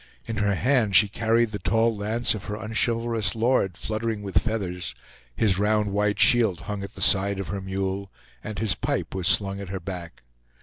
In her hand, she carried the tall lance of her unchivalrous lord, fluttering with feathers; his round white shield hung at the side of her mule; and his pipe was slung at her back.